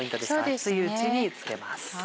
熱いうちに漬けます。